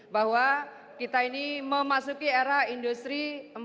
bahwa kita ini memasuki era industri empat